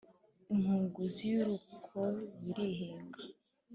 Inkunguzi y’urukob’irihiga?